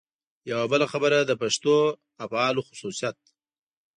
یوه بله خبره د پښتو افعالو خصوصیت.